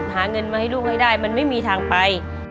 หาเงินมาให้ลูกให้ได้มันไม่มีทางไป